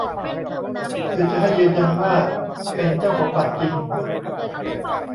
คือจะให้ยืนยันว่าเป็นเจ้าของบัตรจริง